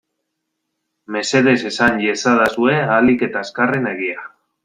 Mesedez esan iezadazue ahalik eta azkarren egia.